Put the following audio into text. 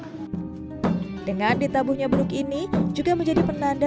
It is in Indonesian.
dari umur sudah ratusan tahun dengan ditabuhnya bulu ini juga menjadi penanda